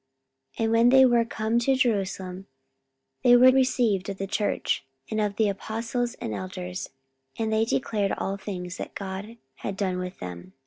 44:015:004 And when they were come to Jerusalem, they were received of the church, and of the apostles and elders, and they declared all things that God had done with them.